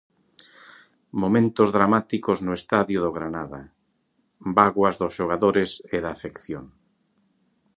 Momentos dramáticos no estadio do Granada, bágoas dos xogadores e da afección.